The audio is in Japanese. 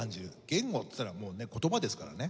言語っていったらもうね言葉ですからね。